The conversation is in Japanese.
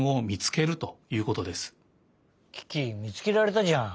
キキみつけられたじゃん。